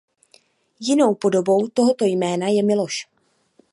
Jinou podobou tohoto jména je Miloš.